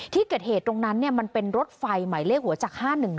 ที่เกิดเหตุตรงนั้นมันเป็นรถไฟหมายเลขหัวจาก๕๑๑